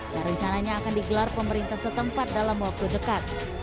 dan rencananya akan digelar pemerintah setempat dalam waktu dekat